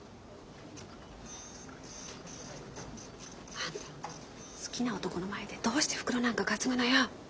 あんた好きな男の前でどうして袋なんか担ぐのよ。